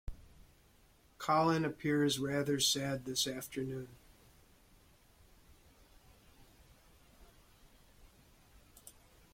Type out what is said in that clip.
Colin appears rather sad this afternoon